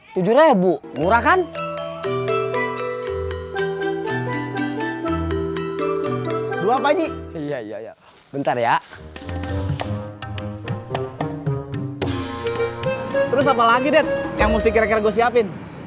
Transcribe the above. terus apa lagi det yang mesti kira kira gue siapin